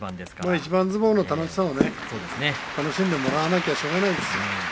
一番相撲の楽しさを楽しんでもらわないとしょうがないです。